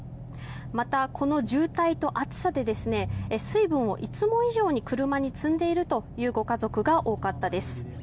また、この渋滞と暑さで水分を、いつも以上に車に積んでいるというご家族が多かったです。